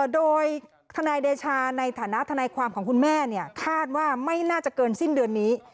โดยทนายเดชาในฐานะทนายความของคุณแม่คาดว่าไม่น่าจะเกินสิ้นเดือนนี้